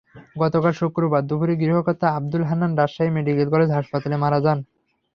গতকাল শুক্রবার দুপুরে গৃহকর্তা আবদুল হান্নান রাজশাহী মেডিকেল কলেজ হাসপাতালে মারা যান।